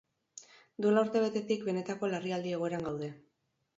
Duela urtebetetik benetako larrialdi egoeran gaude.